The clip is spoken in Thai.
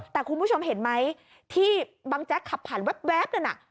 แต่คุณผู้ชมเห็นไหมที่บังแจ๊กขับผ่านแว๊บนั่นน่ะ